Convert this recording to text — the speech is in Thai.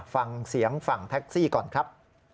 ฟังเสียงฝั่งแท็กซี่ก่อนครับ